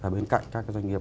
bên cạnh các cái doanh nghiệp